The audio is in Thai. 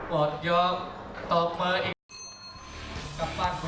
หมดยกตกมืออีก